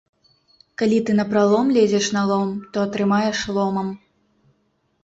Калі ты напралом лезеш на лом, то атрымаеш ломам.